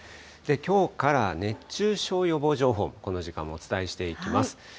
きょうから熱中症予防情報、この時間もお伝えしていきます。